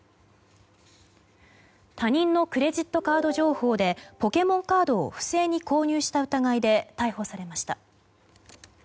他人のクレジットカード情報でポケモンカードを不正に購入した疑いで逮捕されました。